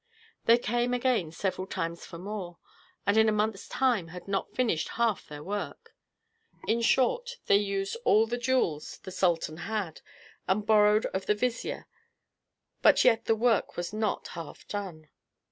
They came again several times for more, and in a month's time had not finished half their work. In short, they used all the jewels the sultan had, and borrowed of the vizier, but yet the work was not half done.